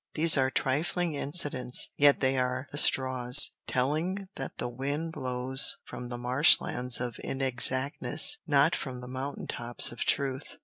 These are trifling incidents, yet they are the straws, telling that the wind blows from the marsh lands of inexactness not from the mountain tops of truth.